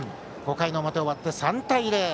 ５回の表終わって３対０。